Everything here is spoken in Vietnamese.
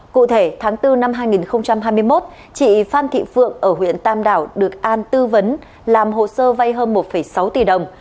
cụ thể tháng bốn năm hai nghìn hai mươi một chị phan thị phượng ở huyện tam đảo được an tư vấn làm hồ sơ vay hơn một sáu tỷ đồng